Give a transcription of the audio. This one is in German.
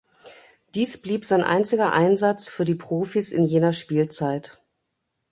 Dies blieb sein einziger Einsatz für die Profis in jener Spielzeit.